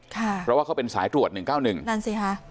ค่ะเพราะว่าเขาเป็นสายตรวจหนึ่งเก้าหนึ่งนั่นสิฮะ